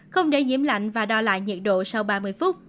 không để nhiễm lạnh và đo lại nhiệt độ sau ba mươi phút